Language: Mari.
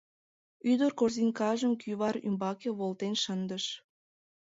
Ӱдыр корзинкажым кӱвар ӱмбаке волтен шындыш.